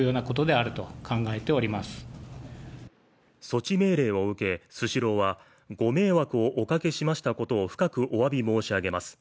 措置命令を受け、スシローはご迷惑をおかけしましたことを深くおわび申し上げます。